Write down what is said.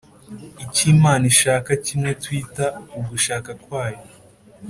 icyo imana ishaka kimwe twita ugushaka kwayo